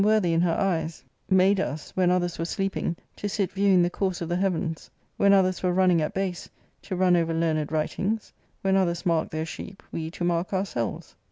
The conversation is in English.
worthy in her eyes made us, when others were sleeping, to sit' viewing the course of the heavens ; when others were running at base,* to run over learned writings ;/^when others mark • their sheep, we to mark ourselves?..